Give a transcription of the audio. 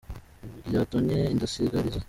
Ryatonnye indasigariza